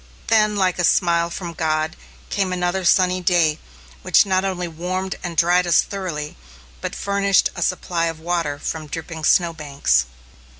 Then like a smile from God, came another sunny day which not only warmed and dried us thoroughly but furnished a supply of water from dripping snowbanks.